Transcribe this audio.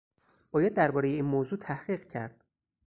باید دربارهٔ این موضوع تحقیق کرد.